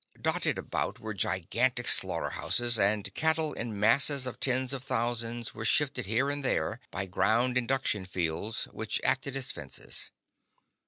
Dotted about were gigantic slaughterhouses, and cattle in masses of tens of thousands were shifted here and there by ground induction fields which acted as fences.